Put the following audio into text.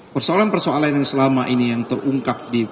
persoalan persoalan yang selama ini yang terungkap